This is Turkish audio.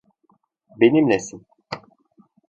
Benimlesin.